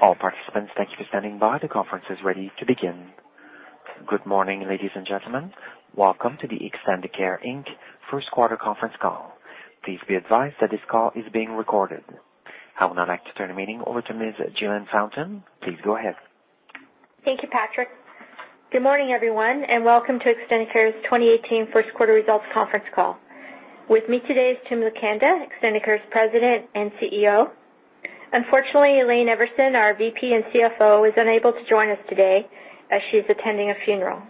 All participants, thank you for standing by. The conference is ready to begin. Good morning, ladies and gentlemen. Welcome to the Extendicare Inc. First Quarter Conference Call. Please be advised that this call is being recorded. I would now like to turn the meeting over to Ms. Jillian Fountain. Please go ahead. Thank you, Patrick. Good morning, everyone, and welcome to Extendicare's 2018 first quarter results conference call. With me today is Tim Lukenda, Extendicare's President and CEO. Unfortunately, Elaine Everson, our VP and CFO, was unable to join us today as she's attending a funeral.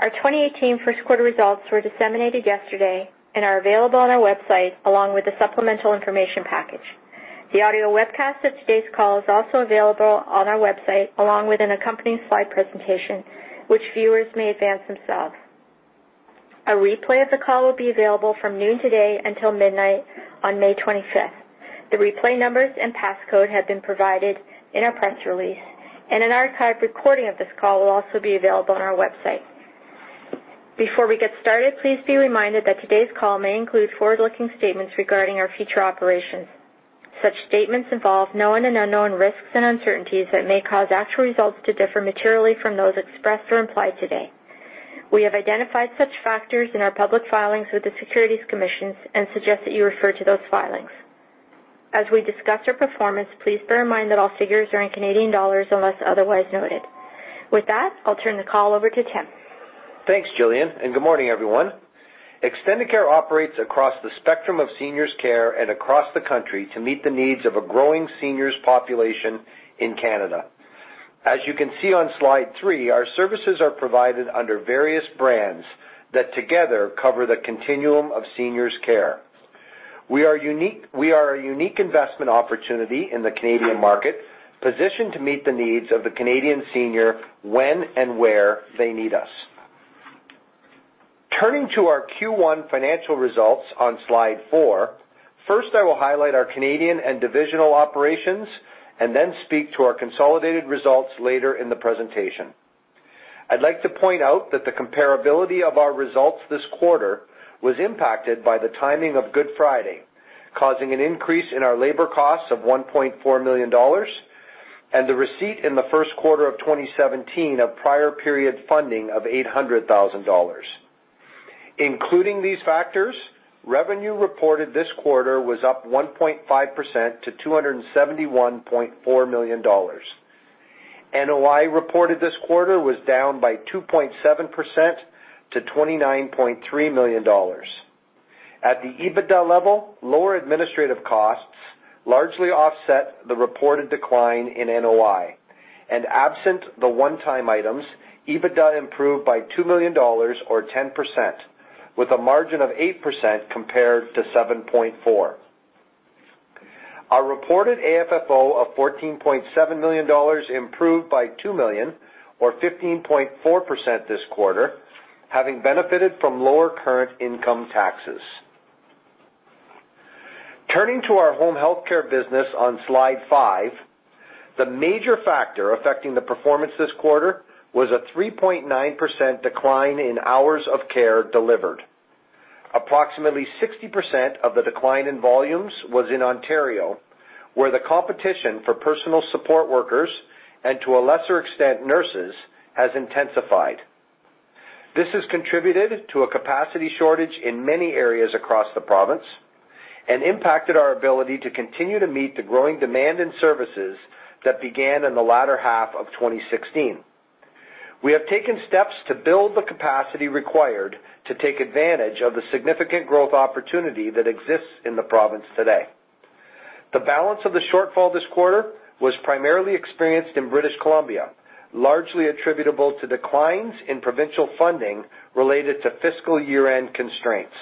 Our 2018 first quarter results were disseminated yesterday and are available on our website, along with the supplemental information package. The audio webcast of today's call is also available on our website, along with an accompanying slide presentation, which viewers may advance themselves. A replay of the call will be available from noon today until midnight on May 25th. The replay numbers and passcode have been provided in our press release, and an archived recording of this call will also be available on our website. Before we get started, please be reminded that today's call may include forward-looking statements regarding our future operations. Such statements involve known and unknown risks and uncertainties that may cause actual results to differ materially from those expressed or implied today. We have identified such factors in our public filings with the Securities Commission and suggest that you refer to those filings. As we discuss our performance, please bear in mind that all figures are in Canadian dollars unless otherwise noted. With that, I'll turn the call over to Tim. Thanks, Jillian, and good morning, everyone. Extendicare operates across the spectrum of seniors care and across the country to meet the needs of a growing seniors population in Canada. As you can see on slide three, our services are provided under various brands that together cover the continuum of seniors care. We are a unique investment opportunity in the Canadian market, positioned to meet the needs of the Canadian senior when and where they need us. Turning to our Q1 financial results on Slide four. First, I will highlight our Canadian and divisional operations and then speak to our consolidated results later in the presentation. I'd like to point out that the comparability of our results this quarter was impacted by the timing of Good Friday, causing an increase in our labor costs of 1.4 million dollars and the receipt in the first quarter of 2017 of prior period funding of 800,000 dollars. Including these factors, revenue reported this quarter was up 1.5% to 271.4 million dollars. NOI reported this quarter was down by 2.7% to 29.3 million dollars. At the EBITDA level, lower administrative costs largely offset the reported decline in NOI. Absent the one-time items, EBITDA improved by 2 million dollars or 10%, with a margin of 8% compared to 7.4%. Our reported AFFO of 14.7 million dollars improved by 2 million or 15.4% this quarter, having benefited from lower current income taxes. Turning to our home healthcare business on Slide five. The major factor affecting the performance this quarter was a 3.9% decline in hours of care delivered. Approximately 60% of the decline in volumes was in Ontario, where the competition for personal support workers, and to a lesser extent, nurses, has intensified. This has contributed to a capacity shortage in many areas across the province and impacted our ability to continue to meet the growing demand in services that began in the latter half of 2016. We have taken steps to build the capacity required to take advantage of the significant growth opportunity that exists in the province today. The balance of the shortfall this quarter was primarily experienced in British Columbia, largely attributable to declines in provincial funding related to fiscal year-end constraints.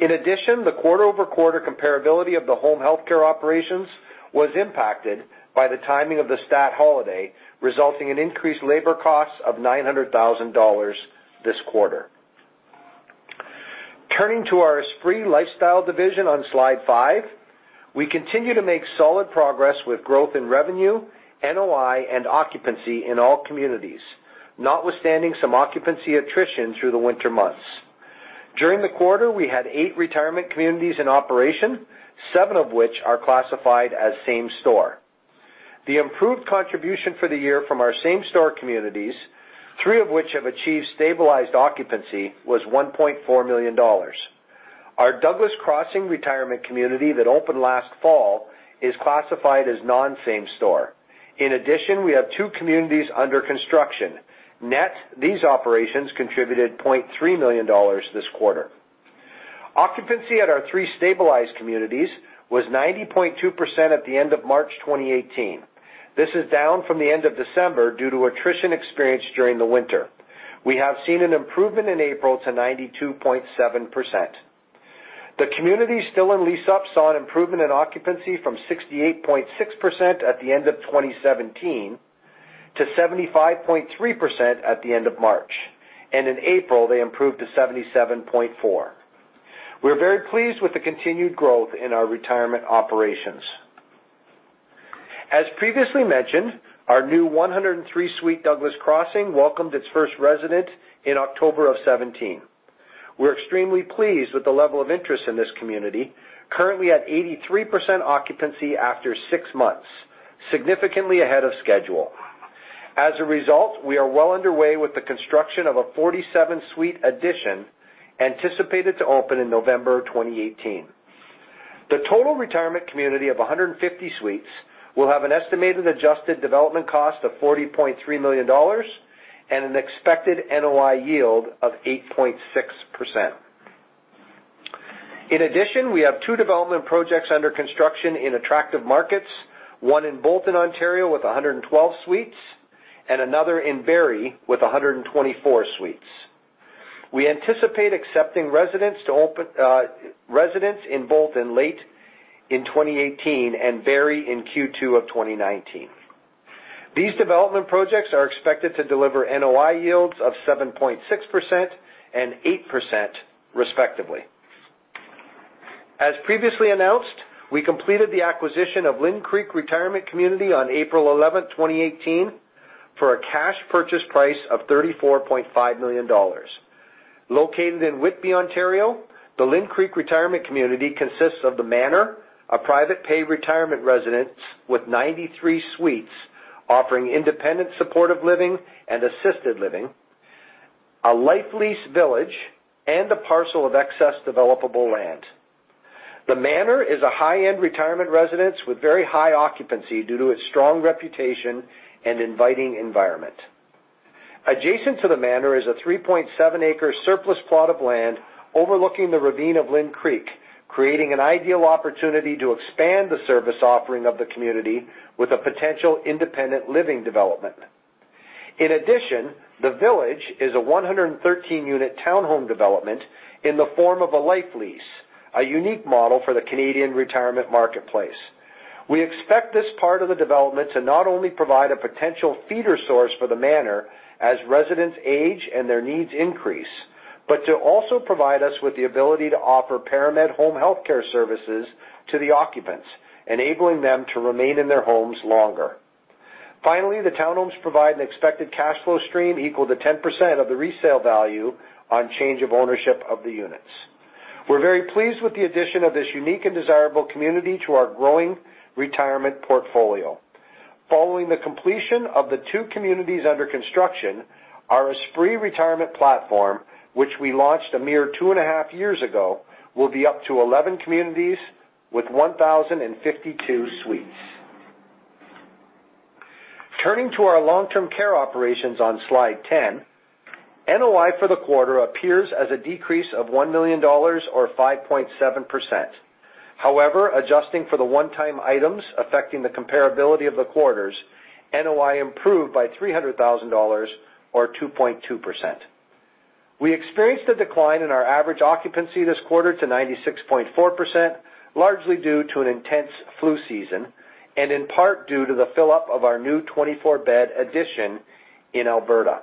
In addition, the quarter-over-quarter comparability of the home healthcare operations was impacted by the timing of the Stat holiday, resulting in increased labor costs of 900,000 dollars this quarter. Turning to our Esprit Lifestyle division on Slide five. We continue to make solid progress with growth in revenue, NOI, and occupancy in all communities, notwithstanding some occupancy attrition through the winter months. During the quarter, we had 8 retirement communities in operation, 7 of which are classified as same store. The improved contribution for the year from our same store communities, 3 of which have achieved stabilized occupancy, was 1.4 million dollars. Our Douglas Crossing retirement community that opened last fall is classified as non-same store. In addition, we have 2 communities under construction. Net, these operations contributed 0.3 million dollars this quarter. Occupancy at our 3 stabilized communities was 90.2% at the end of March 2018. This is down from the end of December due to attrition experienced during the winter. We have seen an improvement in April to 92.7%. The communities still in lease-up saw an improvement in occupancy from 68.6% at the end of 2017 to 75.3% at the end of March. In April, they improved to 77.4%. We are very pleased with the continued growth in our retirement operations. As previously mentioned, our new 103-suite Douglas Crossing welcomed its first resident in October of 2017. We're extremely pleased with the level of interest in this community, currently at 83% occupancy after 6 months, significantly ahead of schedule. As a result, we are well underway with the construction of a 47-suite addition, anticipated to open in November 2018. The total retirement community of 150 suites will have an estimated adjusted development cost of 40.3 million dollars and an expected NOI yield of 8.6%. In addition, we have two development projects under construction in attractive markets, one in Bolton, Ontario, with 112 suites, and another in Barrie with 124 suites. We anticipate accepting residents in Bolton late in 2018 and Barrie in Q2 of 2019. These development projects are expected to deliver NOI yields of 7.6% and 8%, respectively. As previously announced, we completed the acquisition of Lynde Creek Retirement Community on April 11, 2018, for a cash purchase price of 34.5 million dollars. Located in Whitby, Ontario, the Lynde Creek Retirement Community consists of The Manor, a private pay retirement residence with 93 suites offering independent supportive living and assisted living, a life lease village, and a parcel of excess developable land. The Manor is a high-end retirement residence with very high occupancy due to its strong reputation and inviting environment. Adjacent to The Manor is a 3.7-acre surplus plot of land overlooking the ravine of Lynde Creek, creating an ideal opportunity to expand the service offering of the community with a potential independent living development. In addition, the village is a 113-unit townhome development in the form of a life lease, a unique model for the Canadian retirement marketplace. We expect this part of the development to not only provide a potential feeder source for The Manor as residents age and their needs increase, but to also provide us with the ability to offer ParaMed home healthcare services to the occupants, enabling them to remain in their homes longer. Finally, the townhomes provide an expected cash flow stream equal to 10% of the resale value on change of ownership of the units. We're very pleased with the addition of this unique and desirable community to our growing retirement portfolio. Following the completion of the two communities under construction, our Esprit retirement platform, which we launched a mere two and a half years ago, will be up to 11 communities with 1,052 suites. Turning to our long-term care operations on slide 10, NOI for the quarter appears as a decrease of 1 million dollars, or 5.7%. However, adjusting for the one-time items affecting the comparability of the quarters, NOI improved by 300,000 dollars, or 2.2%. We experienced a decline in our average occupancy this quarter to 96.4%, largely due to an intense flu season and in part due to the fill-up of our new 24-bed addition in Alberta.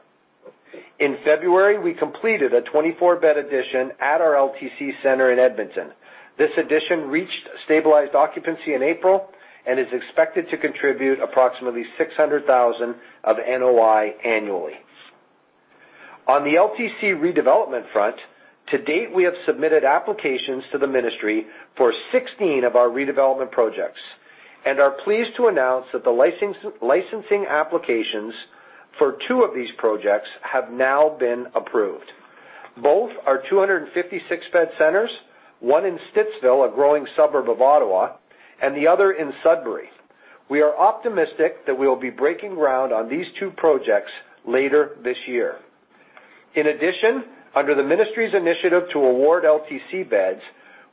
In February, we completed a 24-bed addition at our LTC center in Edmonton. This addition reached stabilized occupancy in April and is expected to contribute approximately 600,000 of NOI annually. On the LTC redevelopment front, to date, we have submitted applications to the Ministry for 16 of our redevelopment projects and are pleased to announce that the licensing applications for two of these projects have now been approved. Both are 256-bed centers, one in Stittsville, a growing suburb of Ottawa, and the other in Sudbury. We are optimistic that we will be breaking ground on these two projects later this year. In addition, under the Ministry's initiative to award LTC beds,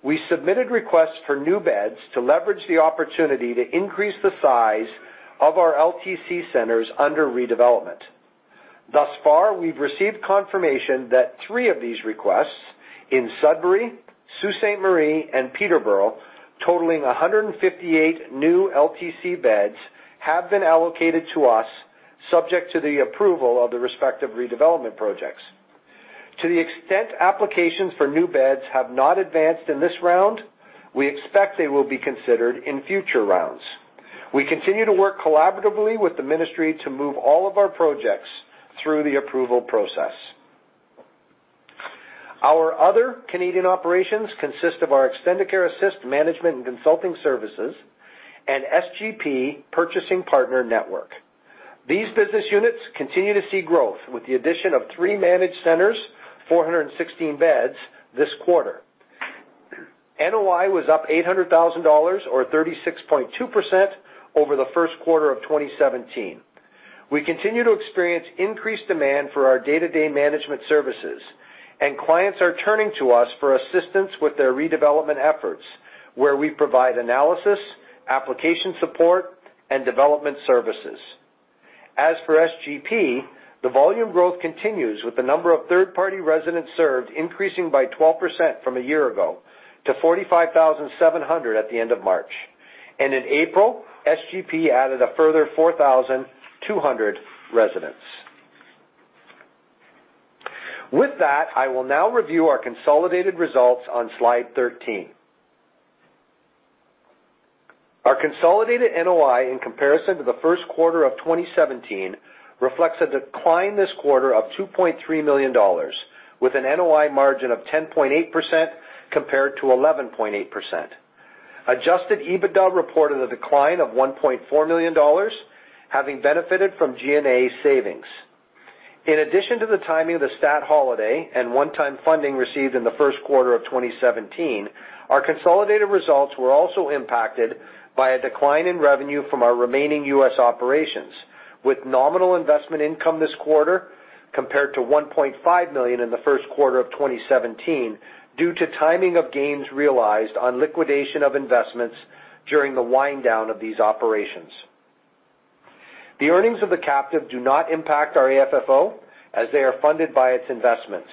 we submitted requests for new beds to leverage the opportunity to increase the size of our LTC centers under redevelopment. Thus far, we've received confirmation that three of these requests in Sudbury, Sault Ste. Marie, and Peterborough, totaling 158 new LTC beds, have been allocated to us subject to the approval of the respective redevelopment projects. To the extent applications for new beds have not advanced in this round, we expect they will be considered in future rounds. We continue to work collaboratively with the Ministry to move all of our projects through the approval process. Our other Canadian operations consist of our Extendicare Assist management and consulting services and SGP Purchasing Partner Network. These business units continue to see growth with the addition of three managed centers, 416 beds this quarter. NOI was up 800,000 dollars, or 36.2%, over the first quarter of 2017. We continue to experience increased demand for our day-to-day management services, and clients are turning to us for assistance with their redevelopment efforts, where we provide analysis, application support, and development services. As for SGP, the volume growth continues with the number of third-party residents served increasing by 12% from a year ago to 45,700 at the end of March. In April, SGP added a further 4,200 residents. With that, I will now review our consolidated results on Slide 13. Our consolidated NOI in comparison to the first quarter of 2017 reflects a decline this quarter of 2.3 million dollars, with an NOI margin of 10.8% compared to 11.8%. Adjusted EBITDA reported a decline of 1.4 million dollars, having benefited from G&A savings. In addition to the timing of the stat holiday and one-time funding received in the first quarter of 2017, our consolidated results were also impacted by a decline in revenue from our remaining U.S. operations, with nominal investment income this quarter compared to 1.5 million in the first quarter of 2017, due to timing of gains realized on liquidation of investments during the wind-down of these operations. The earnings of the captive do not impact our AFFO, as they are funded by its investments.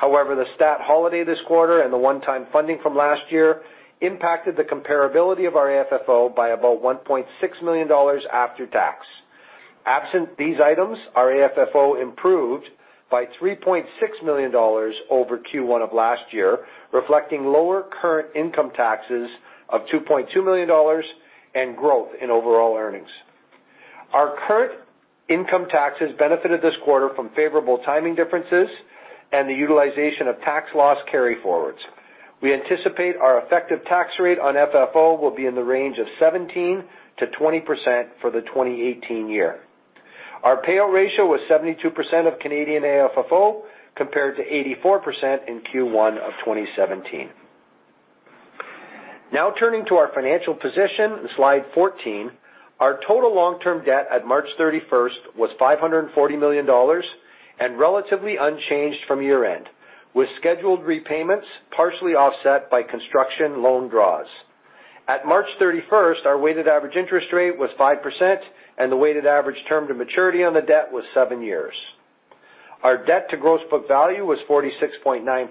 The stat holiday this quarter and the one-time funding from last year impacted the comparability of our AFFO by about 1.6 million dollars after tax. Absent these items, our AFFO improved by 3.6 million dollars over Q1 of last year, reflecting lower current income taxes of 2.2 million dollars and growth in overall earnings. Our current income taxes benefited this quarter from favorable timing differences and the utilization of tax loss carryforwards. We anticipate our effective tax rate on FFO will be in the range of 17%-20% for the 2018 year. Our payout ratio was 72% of Canadian AFFO, compared to 84% in Q1 of 2017. Turning to our financial position on Slide 14, our total long-term debt at March 31st was 540 million dollars and relatively unchanged from year-end, with scheduled repayments partially offset by construction loan draws. At March 31st, our weighted average interest rate was 5%, and the weighted average term to maturity on the debt was seven years. Our debt to gross book value was 46.9%,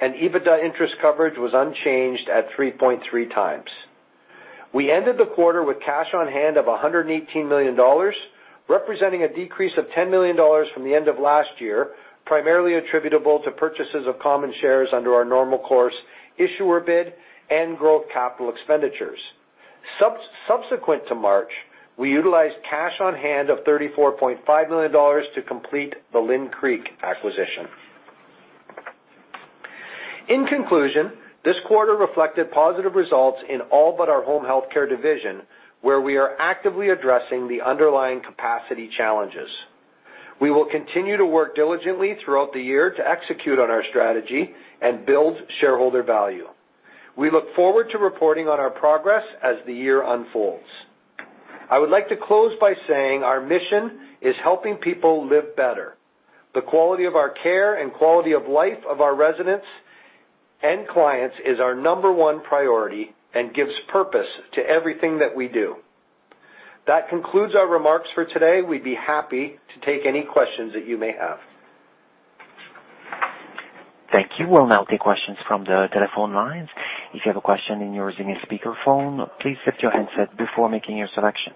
and EBITDA interest coverage was unchanged at 3.3 times. We ended the quarter with cash on hand of 118 million dollars, representing a decrease of 10 million dollars from the end of last year, primarily attributable to purchases of common shares under our Normal Course Issuer Bid and growth capital expenditures. Subsequent to March, we utilized cash on hand of 34.5 million dollars to complete the Lynde Creek acquisition. In conclusion, this quarter reflected positive results in all but our home healthcare division, where we are actively addressing the underlying capacity challenges. We will continue to work diligently throughout the year to execute on our strategy and build shareholder value. We look forward to reporting on our progress as the year unfolds. I would like to close by saying our mission is helping people live better. The quality of our care and quality of life of our residents and clients is our number one priority and gives purpose to everything that we do. That concludes our remarks for today. We'd be happy to take any questions that you may have. Thank you. We'll now take questions from the telephone lines. If you have a question and you are using a speakerphone, please mute your handset before making your selection.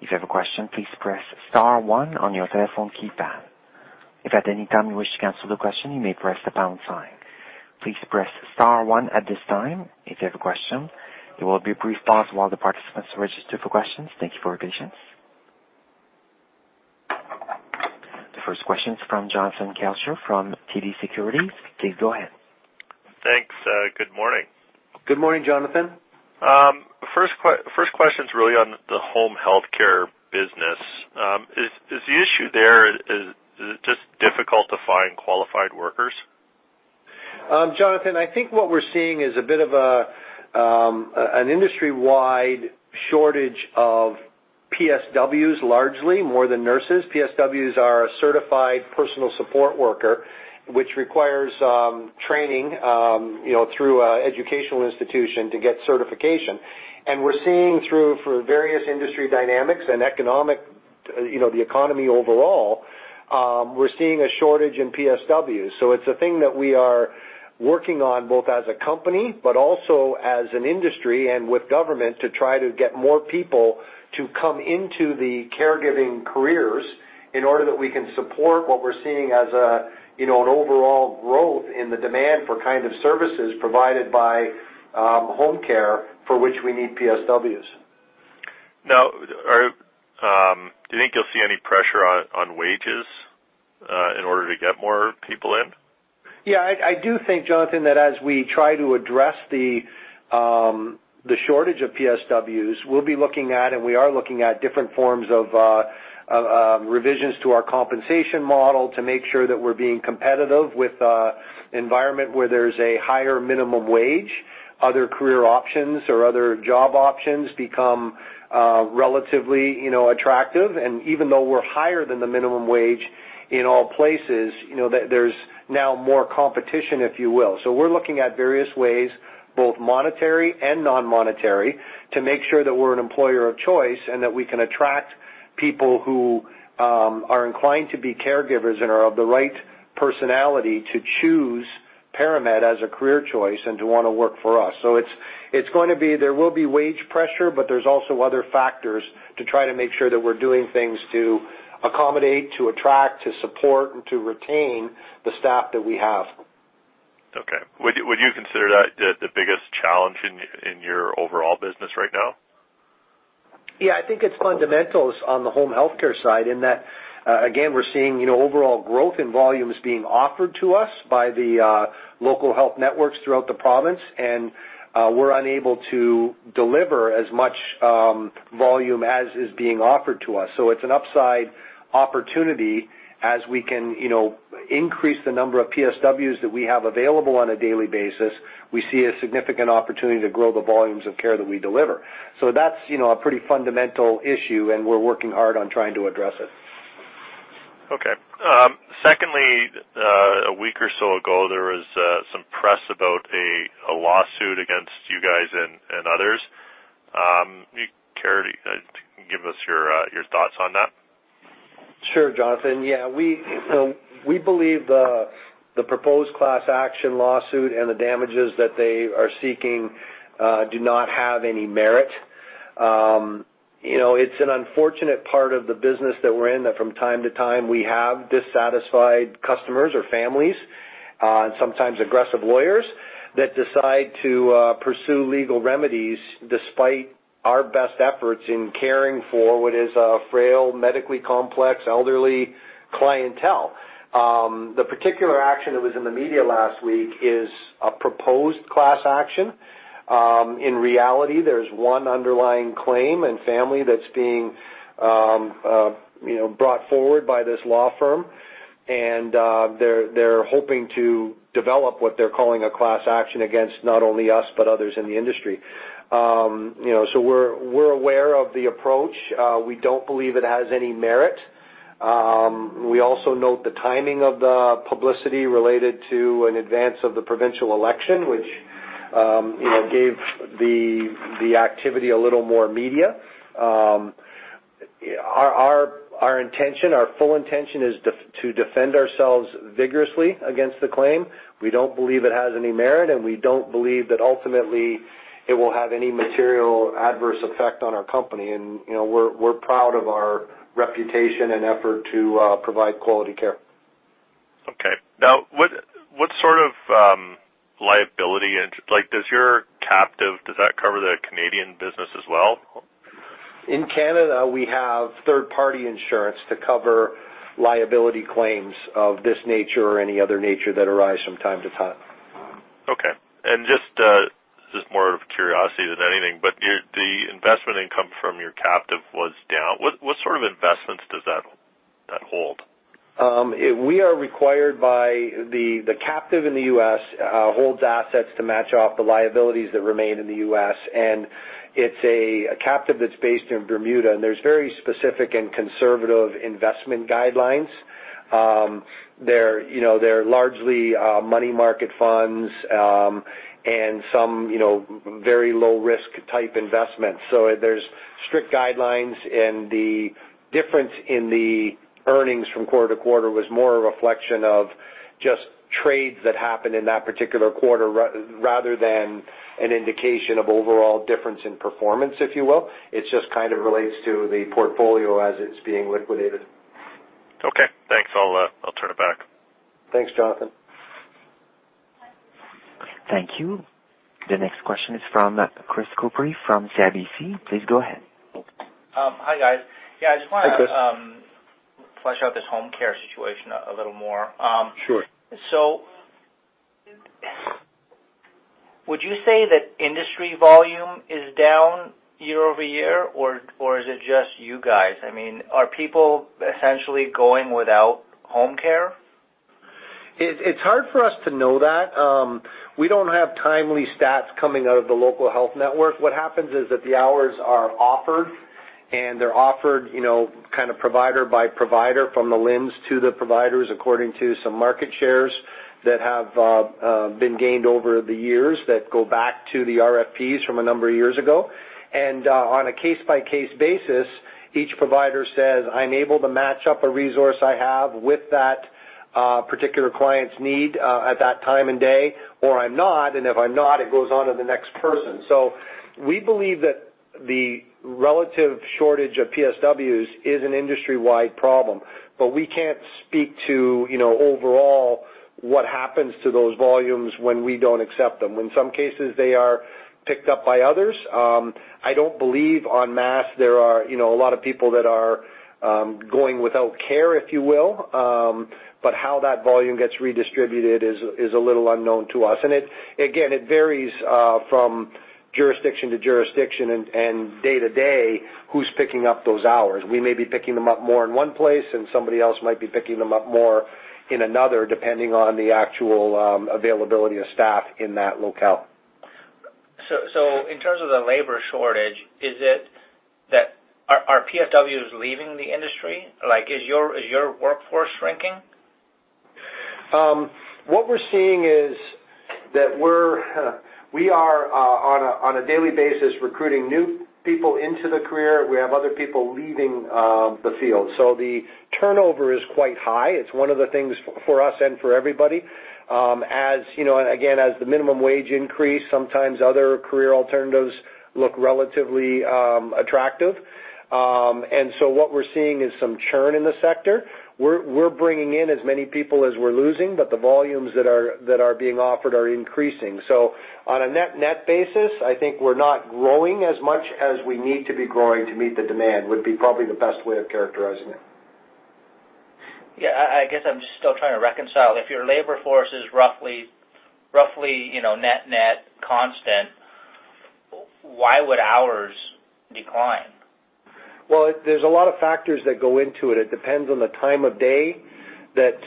If you have a question, please press star one on your telephone keypad. If at any time you wish to cancel the question, you may press the pound sign. Please press star one at this time if you have a question. There will be a brief pause while the participants register for questions. Thank you for your patience. The first question is from Jonathan Kelcher from TD Securities. Please go ahead. Thanks. Good morning. Good morning, Jonathan. First question is really on the home healthcare business. Is the issue there, is it just difficult to find qualified workers? Jonathan, I think what we're seeing is a bit of an industry-wide shortage of PSWs, largely, more than nurses. PSWs are a certified personal support worker, which requires training through an educational institution to get certification. We're seeing through, for various industry dynamics and the economy overall, we're seeing a shortage in PSWs. It's a thing that we are working on both as a company but also as an industry and with government to try to get more people to come into the caregiving careers in order that we can support what we're seeing as an overall growth in the demand for kind of services provided by home care, for which we need PSWs. Now, do you think you'll see any pressure on wages in order to get more people in? Yeah, I do think, Jonathan, that as we try to address the shortage of PSWs, we'll be looking at, and we are looking at, different forms of revisions to our compensation model to make sure that we're being competitive with an environment where there's a higher minimum wage. Other career options or other job options become relatively attractive, and even though we're higher than the minimum wage in all places, there's now more competition, if you will. We're looking at various ways, both monetary and non-monetary, to make sure that we're an employer of choice and that we can attract people who are inclined to be caregivers and are of the right personality to choose ParaMed as a career choice and to want to work for us. There will be wage pressure, but there's also other factors to try to make sure that we're doing things to accommodate, to attract, to support, and to retain the staff that we have. Okay. Would you consider that the biggest challenge in your overall business right now? Yeah, I think it's fundamentals on the home healthcare side in that, again, we're seeing overall growth in volumes being offered to us by the local health networks throughout the province, and we're unable to deliver as much volume as is being offered to us. It's an upside opportunity as we can increase the number of PSWs that we have available on a daily basis. We see a significant opportunity to grow the volumes of care that we deliver. That's a pretty fundamental issue, and we're working hard on trying to address it. Okay. Secondly, a week or so ago, there was some press about a lawsuit against you guys and others. Do you care to give us your thoughts on that? Sure, Jonathan. Yeah. We believe the proposed class action lawsuit and the damages that they are seeking do not have any merit. It's an unfortunate part of the business that we're in, that from time to time, we have dissatisfied customers or families, and sometimes aggressive lawyers that decide to pursue legal remedies despite our best efforts in caring for what is a frail, medically complex, elderly clientele. The particular action that was in the media last week is a proposed class action. In reality, there's one underlying claim and family that's being brought forward by this law firm, and they're hoping to develop what they're calling a class action against not only us, but others in the industry. We're aware of the approach. We don't believe it has any merit. We also note the timing of the publicity related to an advance of the provincial election, which gave the activity a little more media. Our full intention is to defend ourselves vigorously against the claim. We don't believe it has any merit, and we don't believe that ultimately it will have any material adverse effect on our company. We're proud of our reputation and effort to provide quality care. Okay. Now, what sort of liability does your captive, does that cover the Canadian business as well? In Canada, we have third-party insurance to cover liability claims of this nature or any other nature that arise from time to time. Okay. Just, this is more out of curiosity than anything, the investment income from your captive was down. What sort of investments does that hold? The captive in the U.S. holds assets to match off the liabilities that remain in the U.S., it's a captive that's based in Bermuda, there's very specific and conservative investment guidelines. They're largely money market funds, some very low risk type investments. There's strict guidelines, the difference in the earnings from quarter to quarter was more a reflection of just trades that happened in that particular quarter rather than an indication of overall difference in performance, if you will. It's just kind of relates to the portfolio as it's being liquidated. Okay. Thanks. I'll turn it back. Thanks, Jonathan. Thank you. The next question is from Chris Couprie from CIBC. Please go ahead. Hi, guys. Yeah, I just want to. Hi, Chris. flesh out this home care situation a little more. Sure. Would you say that industry volume is down year-over-year, or is it just you guys? I mean, are people essentially going without home care? It's hard for us to know that. We don't have timely stats coming out of the local health network. What happens is that the hours are offered, and they're offered, kind of provider by provider, from the LHINs to the providers, according to some market shares that have been gained over the years that go back to the RFPs from a number of years ago. On a case-by-case basis, each provider says, "I'm able to match up a resource I have with that particular client's need at that time and day," or, "I'm not." If I'm not, it goes on to the next person. We believe that the relative shortage of PSWs is an industry-wide problem. We can't speak to overall what happens to those volumes when we don't accept them. In some cases, they are picked up by others. I don't believe en masse there are a lot of people that are going without care, if you will. How that volume gets redistributed is a little unknown to us. Again, it varies from jurisdiction to jurisdiction and day to day who's picking up those hours. We may be picking them up more in one place, and somebody else might be picking them up more in another, depending on the actual availability of staff in that locale. In terms of the labor shortage, are PSWs leaving the industry? Is your workforce shrinking? What we're seeing is we are on a daily basis recruiting new people into the career. We have other people leaving the field. The turnover is quite high. It's one of the things for us and for everybody. Again, as the minimum wage increase, sometimes other career alternatives look relatively attractive. What we're seeing is some churn in the sector. We're bringing in as many people as we're losing, but the volumes that are being offered are increasing. On a net basis, I think we're not growing as much as we need to be growing to meet the demand, would be probably the best way of characterizing it. Yeah. I guess I'm still trying to reconcile, if your labor force is roughly net constant, why would hours decline? Well, there's a lot of factors that go into it. It depends on the time of day that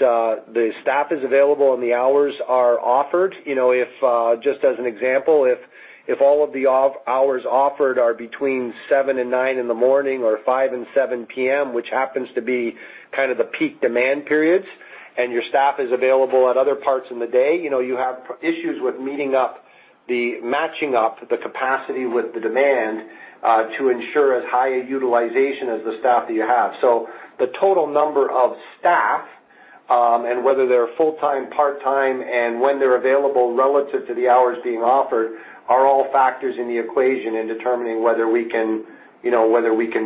the staff is available and the hours are offered. Just as an example, if all of the off hours offered are between 7:00 A.M. and 9:00 A.M. in the morning or 5:00 P.M. and 7:00 P.M., which happens to be the peak demand periods, and your staff is available at other parts in the day, you have issues with meeting up, the matching up the capacity with the demand, to ensure as high a utilization as the staff that you have. The total number of staff, and whether they're full-time, part-time, and when they're available relative to the hours being offered, are all factors in the equation in determining whether we can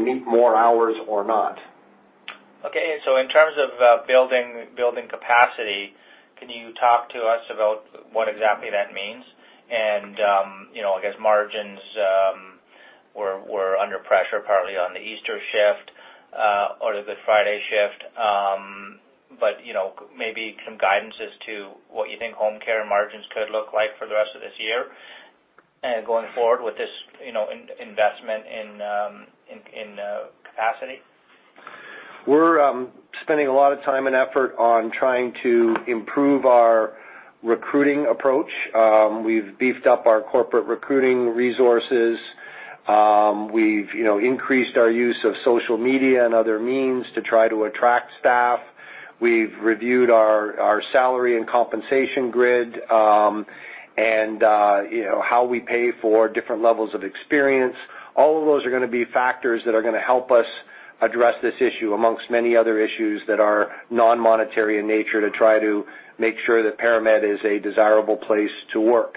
meet more hours or not. Okay. In terms of building capacity, can you talk to us about what exactly that means? I guess margins were under pressure partly on the Easter shift, or the Good Friday shift. Maybe some guidance as to what you think home care margins could look like for the rest of this year and going forward with this investment in capacity. We're spending a lot of time and effort on trying to improve our recruiting approach. We've beefed up our corporate recruiting resources. We've increased our use of social media and other means to try to attract staff. We've reviewed our salary and compensation grid, and how we pay for different levels of experience. All of those are going to be factors that are going to help us address this issue, amongst many other issues that are non-monetary in nature, to try to make sure that ParaMed is a desirable place to work.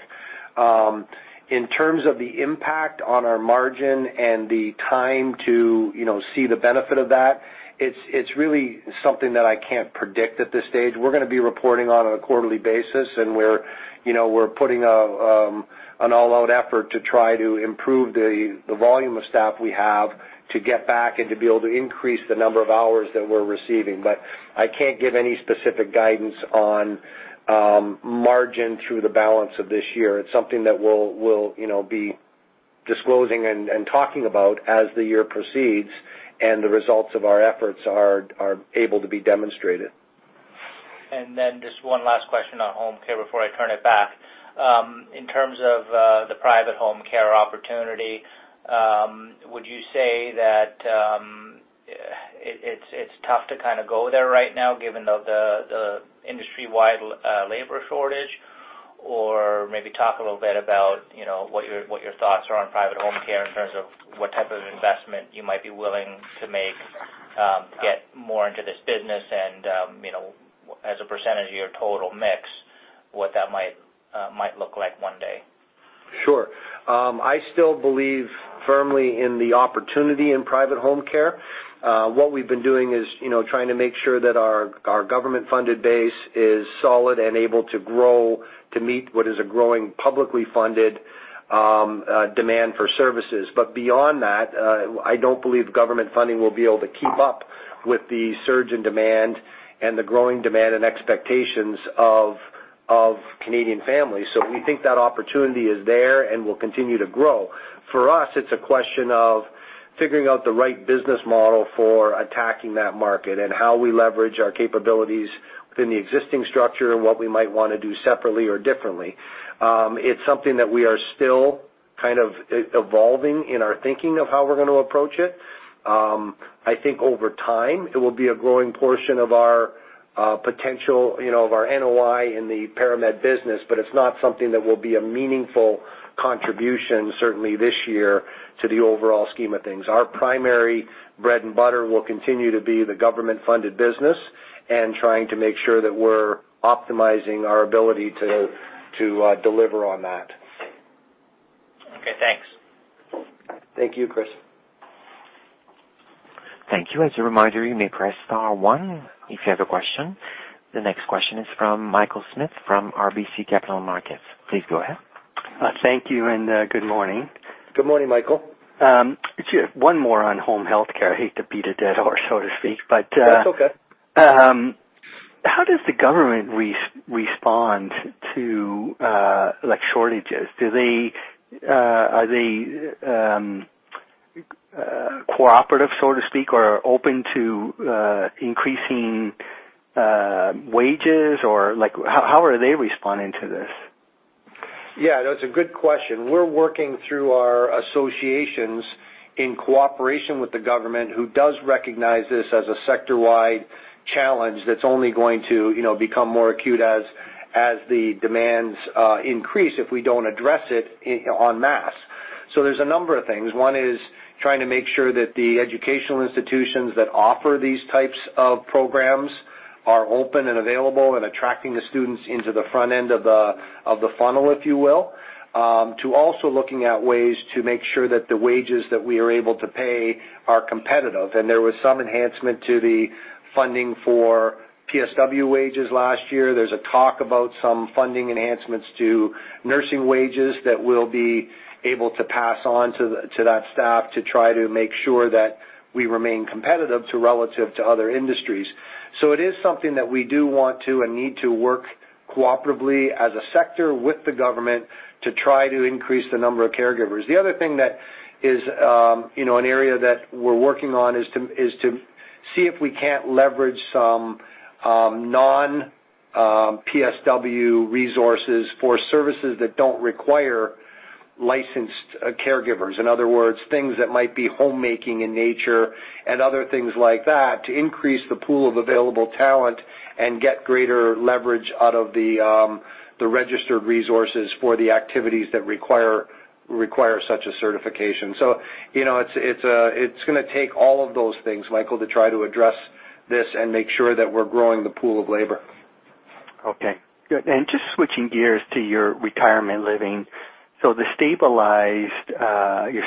In terms of the impact on our margin and the time to see the benefit of that, it's really something that I can't predict at this stage. We're going to be reporting on a quarterly basis. We're putting an all-out effort to try to improve the volume of staff we have to get back and to be able to increase the number of hours that we're receiving. I can't give any specific guidance on margin through the balance of this year. It's something that we'll be disclosing and talking about as the year proceeds and the results of our efforts are able to be demonstrated. Just one last question on home care before I turn it back. In terms of the private home care opportunity, would you say that it's tough to go there right now given the industry-wide labor shortage? Or maybe talk a little bit about what your thoughts are on private home care in terms of what type of investment you might be willing to make to get more into this business and, as a percentage of your total mix, what that might look like one day. Sure. I still believe firmly in the opportunity in private home care. What we've been doing is trying to make sure that our government-funded base is solid and able to grow to meet what is a growing publicly funded demand for services. Beyond that, I don't believe government funding will be able to keep up with the surge in demand and the growing demand and expectations of Canadian families. We think that opportunity is there and will continue to grow. For us, it's a question of figuring out the right business model for attacking that market and how we leverage our capabilities within the existing structure and what we might want to do separately or differently. It's something that we are still evolving in our thinking of how we're going to approach it. I think over time, it will be a growing portion of our potential, of our NOI in the ParaMed business, but it's not something that will be a meaningful contribution, certainly this year, to the overall scheme of things. Our primary bread and butter will continue to be the government-funded business and trying to make sure that we're optimizing our ability to deliver on that. Okay, thanks. Thank you, Chris. Thank you. As a reminder, you may press star one if you have a question. The next question is from Michael Smith from RBC Capital Markets. Please go ahead. Thank you, and good morning. Good morning, Michael. Just one more on home health care. I hate to beat a dead horse, so to speak. That's okay. how does the government respond to shortages? Are they cooperative, so to speak, or open to increasing wages? How are they responding to this? Yeah, that's a good question. We're working through our associations in cooperation with the government, who does recognize this as a sector-wide challenge that's only going to become more acute as the demands increase if we don't address it en masse. There's a number of things. One is trying to make sure that the educational institutions that offer these types of programs are open and available and attracting the students into the front end of the funnel, if you will, to also looking at ways to make sure that the wages that we are able to pay are competitive. There was some enhancement to the funding for PSW wages last year. There's a talk about some funding enhancements to nursing wages that we'll be able to pass on to that staff to try to make sure that we remain competitive relative to other industries. It is something that we do want to and need to work cooperatively as a sector with the government to try to increase the number of caregivers. The other thing that is an area that we're working on is to see if we can't leverage some non-PSW resources for services that don't require licensed caregivers. In other words, things that might be homemaking in nature and other things like that to increase the pool of available talent and get greater leverage out of the registered resources for the activities that require such a certification. It's going to take all of those things, Michael, to try to address this and make sure that we're growing the pool of labor. Okay, good. Just switching gears to your retirement living. Your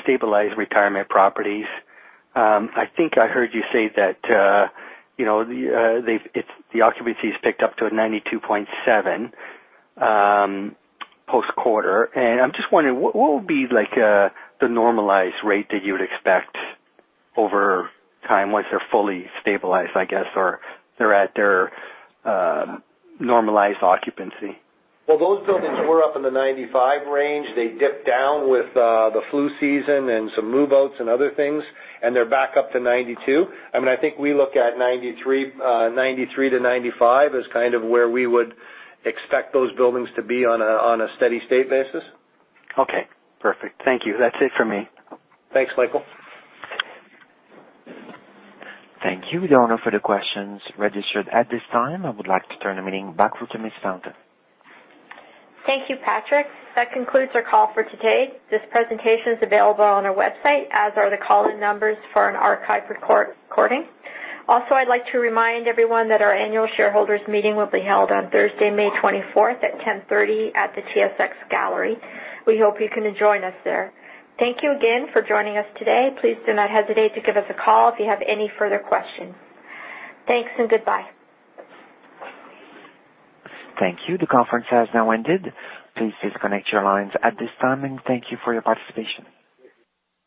stabilized retirement properties, I think I heard you say that the occupancy has picked up to 92.7% post-quarter. I'm just wondering, what will be the normalized rate that you would expect over time once they're fully stabilized, I guess, or they're at their normalized occupancy? Well, those buildings were up in the 95 range. They dipped down with the flu season and some move-outs and other things, and they're back up to 92. I think we look at 93-95 as kind of where we would expect those buildings to be on a steady state basis. Okay, perfect. Thank you. That's it for me. Thanks, Michael. Thank you. There are no further questions registered at this time. I would like to turn the meeting back over to Ms. Fountain. Thank you, Patrick. That concludes our call for today. This presentation is available on our website, as are the call-in numbers for an archived recording. Also, I'd like to remind everyone that our annual shareholders meeting will be held on Thursday, May 24th at 10:30 A.M. at the TSX Gallery. We hope you can join us there. Thank you again for joining us today. Please do not hesitate to give us a call if you have any further questions. Thanks and goodbye. Thank you. The conference has now ended. Please disconnect your lines at this time, and thank you for your participation.